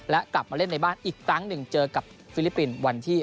และกลับมาเล่นในบ้านอีกครั้งหนึ่งเจอกับฟิลิปปินส์วันที่๒